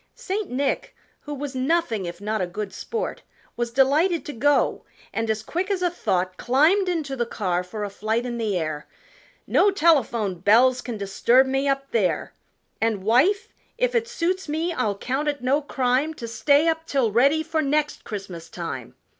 St. Nick, who was nothing if not a good sport, Was delighted to go, and as quick as a thought Climbed into the car for a flight in the air "No telephone bells can disturb me up there! And, wife, if it suits me I'll count it no crime To stay up till ready for next Christmas time!"